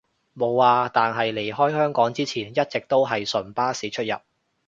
無呀，但係離開香港之前一直都係純巴士出入